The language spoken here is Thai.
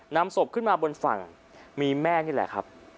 นำศพขึ้นมาบนฝั่งมีแม่นี่แหละครับ